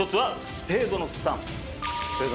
スペードの３。